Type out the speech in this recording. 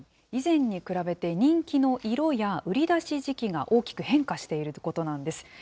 以前に比べて、人気の色や売り出し時期が大きく変化しているということなんです。